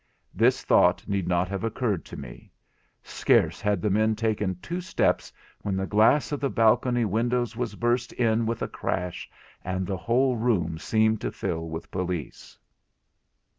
This thought need not have occurred to me. Scarce had the men taken two steps when the glass of the balcony windows was burst in with a crash, and the whole room seemed to fill with police.